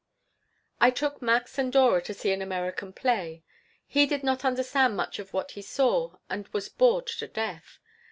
I took Max and Dora to see an American play. He did not understand much of what he saw and was bored to death.